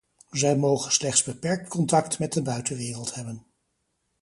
Zij mogen slechts beperkt contact met de buitenwereld hebben.